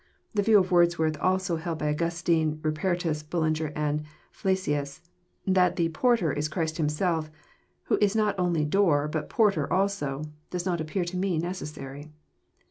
— The view of Wordsworth, also held by Augustine, Bupertus, Bullinger, and Flacius, — that the "porter" is Christ Himself, who is not only " Door," but "Por ter," also,— does not appear to me necessary.